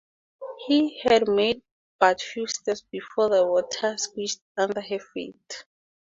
She had made but few steps before the water squished under her feet.